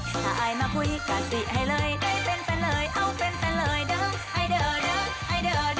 ถ้าไอ้มาพูดกันดิให้เลยได้เป็นเพราะเอาเป็นเพราะเลย